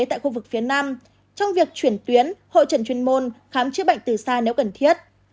tại khu vực phía nam trong việc chuyển tuyến hội trận chuyên môn khám chữa bệnh từ xa nếu cần thiết